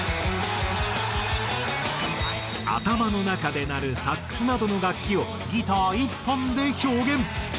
頭の中で鳴るサックスなどの楽器をギター１本で表現。